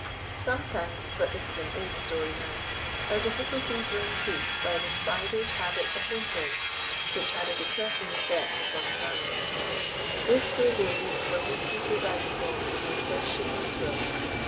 Sometimes (but this is an old story now) our difficulties were increased by the Spider's habit of whimpering, which had a depressing effect upon the family. This poor baby was a weak little bag of bones when first she came to us.